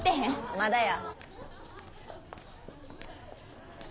まだや。